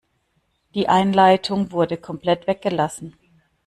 Die Einleitung wurde komplett weggelassen.